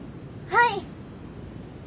はい。